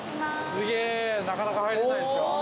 ◆すげなかなか入れないですよ。